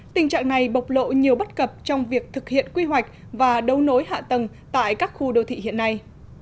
tình trạng này bộc lộ nhiều bất cập trong việc thực hiện quy hoạch và đấu nối hạ tầng tại các khu đô thị hiện nay